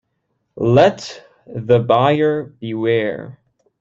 Let the buyer beware.